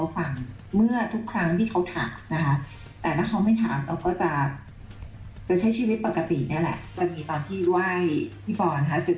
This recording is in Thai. แต่ความจริงที่มันเกิดขึ้น